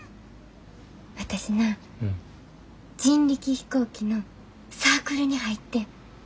私な人力飛行機のサークルに入ってん。